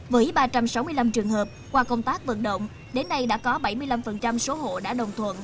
với ba trăm sáu mươi năm trường hợp qua công tác vận động đến nay đã có bảy mươi năm số hộ đã đồng thuận